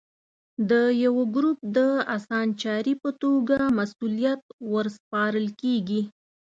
د یوه ګروپ د اسانچاري په توګه مسوولیت ور سپارل کېږي.